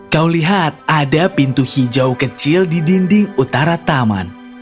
kau lihat ada pintu hijau kecil di dinding utara taman